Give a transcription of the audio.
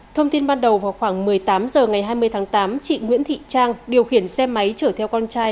thông tin ban đầu vào khoảng một mươi tám h ngày hai mươi tháng tám chị nguyễn thị trang điều khiển xe máy chở theo con trai